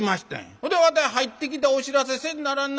ほでわたい入ってきてお知らせせんならんな